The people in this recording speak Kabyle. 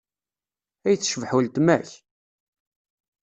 Ay tecbeḥ uletma-k!